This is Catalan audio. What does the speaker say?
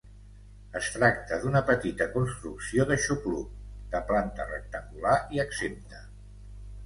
Es tracta d'una petita construcció d'aixopluc, de planta rectangular i exempta.